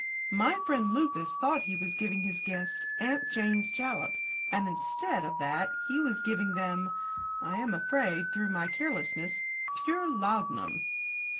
"My friend, Lucas, thought he was giving his guests 'Aunt Jane's Jalap,' and instead of that he was giving them I am afraid, through my carelessness pure laudanum."